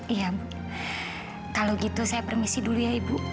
iya kalau gitu saya permisi dulu ya ibu